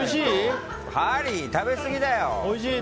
ハリー、食べすぎだよ！